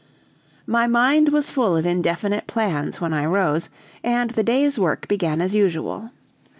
My mind was full of indefinite plans when I rose, and the day's work began as usual.